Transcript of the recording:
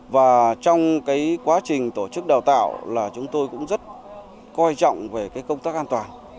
và trong quá trình tổ chức đào tạo là chúng tôi cũng rất coi trọng về công tác an toàn